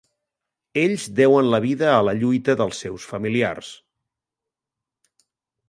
Ells deuen la vida a la lluita dels seus familiars.